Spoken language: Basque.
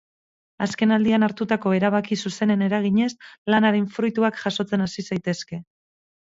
Azkenaldian hartutako erabaki zuzenen eraginez, lanaren fruituak jasotzen hasi zaitezke.